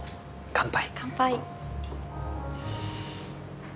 乾杯